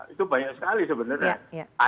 itu banyak sekali sebenarnya